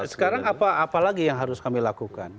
sekarang apa lagi yang harus kami lakukan